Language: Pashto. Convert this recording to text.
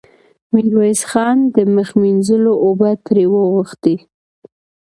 ميرويس خان د مخ مينځلو اوبه ترې وغوښتې.